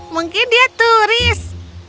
mungkin dia turis